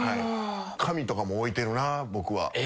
紙とかも置いてるな僕は。